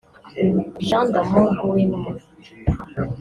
Jean d’Amour Uwimana